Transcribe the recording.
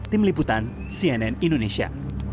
tim liputan cnn indonesia